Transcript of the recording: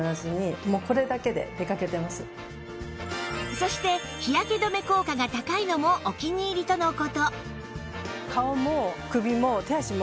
そして日焼け止め効果が高いのもお気に入りとの事